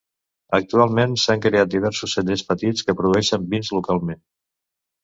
Actualment, s"han creat diversos cellers petits que produeixen vins localment.